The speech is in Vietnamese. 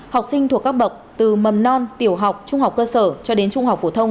học sinh thuộc các bậc từ mầm non tiểu học trung học cơ sở cho đến trung học phổ thông